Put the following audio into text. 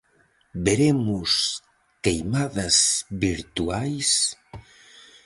Veremos queimadas virtuais?